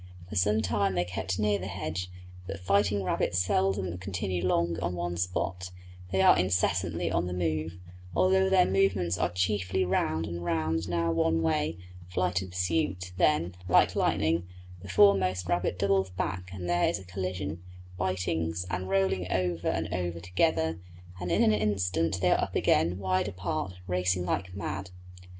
For some time they kept near the hedge, but fighting rabbits seldom continue long on one spot; they are incessantly on the move, although their movements are chiefly round and round now one way flight and pursuit then, like lightning, the foremost rabbit doubles back and there is a collision, bitings, and rolling over and over together, and in an instant they are up again, wide apart, racing like mad.